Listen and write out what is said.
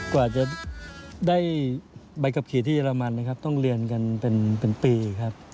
กว่าจะได้ใบขับขี่ที่เรมันนะครับต้องเรียนกันเป็นปีครับ